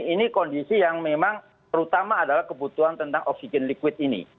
ini kondisi yang memang terutama adalah kebutuhan tentang oksigen liquid ini